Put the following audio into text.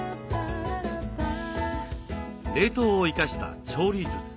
冷凍を生かした調理術。